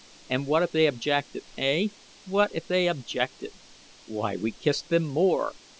And what if they objected, eh? What if they objected? Why, we kissed them more.